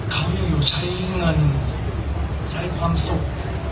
เขาอยู่ใช้เงินใช้ความสุข